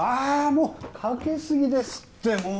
もうかけ過ぎですってもう。